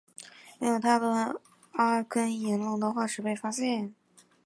没有太多阿根廷龙的化石被发现。